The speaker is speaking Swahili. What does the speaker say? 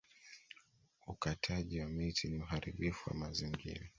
Ukataji wa miti ni uharibifu wa mazingira